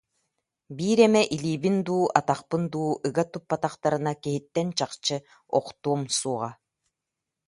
Биир эмэ илиибин дуу, атахпын дуу ыга туппатахтарына киһиттэн чахчы охтуом суоҕа»